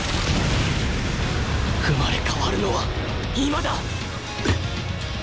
生まれ変わるのは今だ！